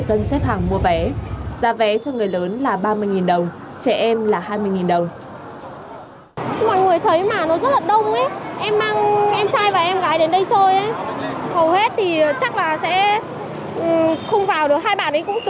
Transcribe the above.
dân xếp hàng mua vé giá vé cho người lớn là ba mươi đồng trẻ em là hai mươi đồng